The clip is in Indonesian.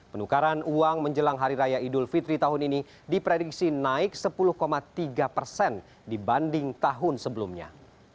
penukaran uang menjelang hari raya idul fitri tahun ini diprediksi naik sepuluh tiga persen dibanding tahun sebelumnya